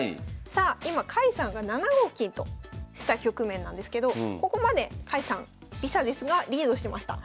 さあ今甲斐さんが７五金とした局面なんですけどここまで甲斐さん微差ですがリードしてました。